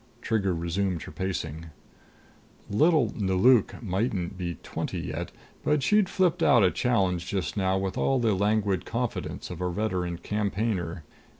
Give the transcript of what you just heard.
Trigger resumed her pacing. Little Nelauk mightn't be twenty yet, but she'd flipped out a challenge just now with all the languid confidence of a veteran campaigner.